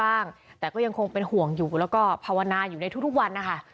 แล้วก็ภาวนาอยู่ในทุกวันนะคะ